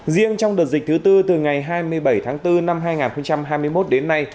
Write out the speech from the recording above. riêng trong đợt dịch thứ tư từ ngày hai mươi bảy tháng bốn năm hai nghìn hai mươi một đến nay